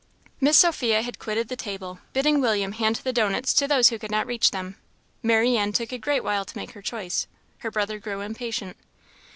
Miss Sophia had quitted the table, bidding William hand the dough nuts to those who could not reach them. Marianne took a great while to make her choice. Her brother grew impatient.